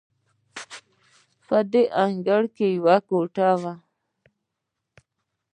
په دې انګړ کې یوه کوټه وه.